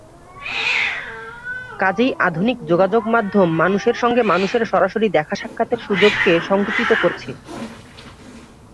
কাজেই আধুনিক যোগাযোগমাধ্যম মানুষের সঙ্গে মানুষের সরাসরি দেখা-সাক্ষাতের সুযোগকে সংকুচিত করছে।